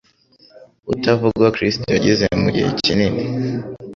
utavugwa Kristo yagize mu gihe kinini